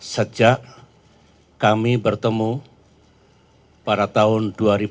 sejak kami bertemu pada tahun dua ribu tujuh belas